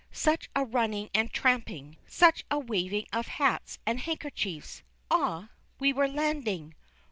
Such a running and tramping, such a waving of hats and handkerchiefs. Ah! we were landing.